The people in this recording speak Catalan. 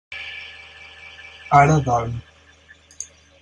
Ara dorm.